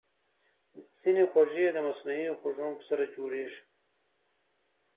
ځینې خوږې د مصنوعي خوږونکو سره جوړېږي.